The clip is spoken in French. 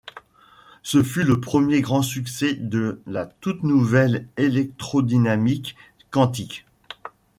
Ce fut le premier grand succès de la toute nouvelle électrodynamique quantique.